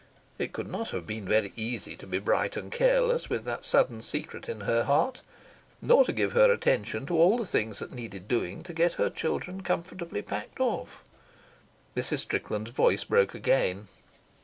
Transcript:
It could not have been very easy to be bright and careless with that sudden secret in her heart, nor to give her attention to all the things that needed doing to get her children comfortably packed off. Mrs. Strickland's voice broke again.